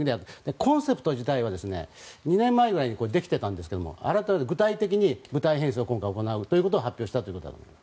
コンセプト自体は２年前ぐらいにできていたんですが具体的に部隊編成を今回行うことを発表したということです。